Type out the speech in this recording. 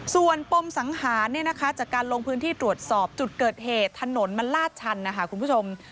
ส่วนปมสังหารจากการลงพื้นที่ตรวจสอบจุดเกิดเหตุถนนมันลาดชันนะคะคุณผู้ชม